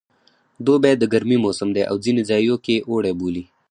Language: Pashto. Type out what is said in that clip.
دوبی د ګرمي موسم دی او ځینې ځایو کې اوړی بولي